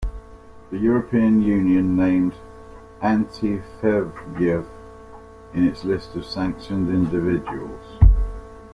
The European Union named Antyufeyev in its list of sanctioned individuals.